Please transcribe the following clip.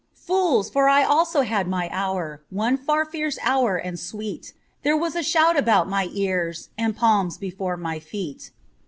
Fools, for I also had my hour, One far fierce hour and sweet, There was a shout about my ears And palms before my feet.